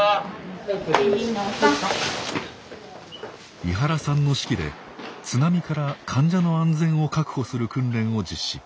１２の３！井原さんの指揮で津波から患者の安全を確保する訓練を実施。